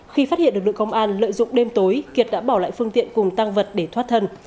khi phát hiện lực lượng công an lợi dụng đêm tối kiệt đã bỏ lại phương tiện cùng tăng vật để thoát thân